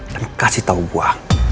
dan kasih tahu gua